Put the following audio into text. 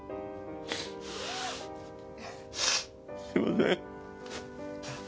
すいません。